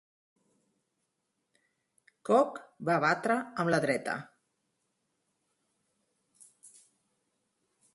Cook va batre amb la dreta.